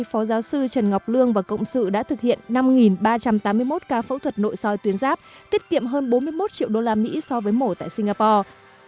phó giáo sư trần ngọc lương và cộng sự đã thực hiện năm ba trăm tám mươi một ca phẫu thuật nội soi tuyến giáp tiết kiệm hơn bốn mươi một triệu đô la mỹ so với mổ tại singapore